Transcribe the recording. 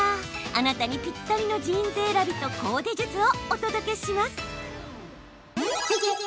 あなたにぴったりのジーンズ選びとコーデ術をお届けします。